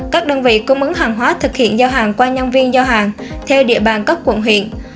các đơn vị cung ứng hàng hóa thực hiện giao hàng qua nhân viên giao hàng theo địa bàn cấp quận huyện